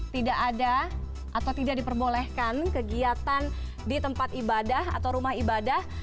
tidak ada atau tidak diperbolehkan kegiatan di tempat ibadah atau rumah ibadah